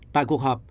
tại cuộc họp